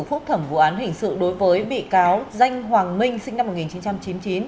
phúc thẩm vụ án hình sự đối với bị cáo danh hoàng minh sinh năm một nghìn chín trăm chín mươi chín